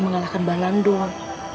mengalahkan mbak landung